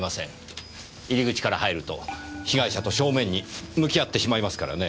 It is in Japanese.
入り口から入ると被害者と正面に向き合ってしまいますからねぇ。